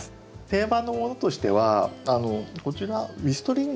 定番のものとしてはこちらウエストリンギア。